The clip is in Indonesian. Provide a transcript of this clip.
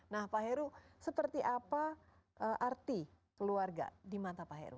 nah pak heru seperti apa arti keluarga di mata pak heru